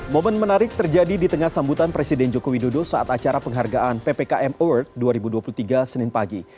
momen menarik terjadi di tengah sambutan presiden joko widodo saat acara penghargaan ppkm award dua ribu dua puluh tiga senin pagi